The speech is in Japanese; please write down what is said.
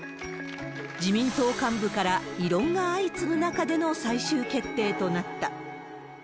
自民党幹部から異論が相次ぐ中での最終決定となった。